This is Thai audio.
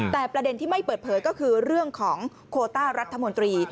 แต่ประเด็นที่ไม่เปิดเผยก็คือเรื่องของโคต้ารัฐมนตรี